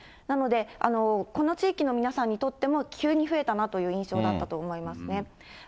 なので、この地域の皆さんにとっても急に増えたなという印象だったと思いますね。